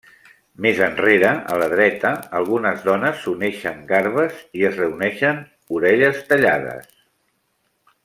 Més enrere, a la dreta, algunes dones s'uneixen garbes i es reuneixen orelles tallades.